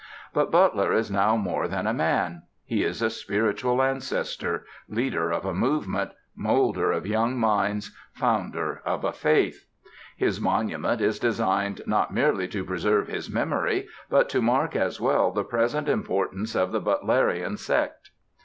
But Butler is now more than a man. He is a spiritual ancestor, leader of a movement, moulder of young minds, founder of a faith. His monument is designed not merely to preserve his memory but to mark as well the present importance of the Butlerian sect.